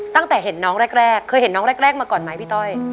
ตั้งแต่เห็นน้องแรกเคยเห็นน้องแรกมาก่อนไหมพี่ต้อย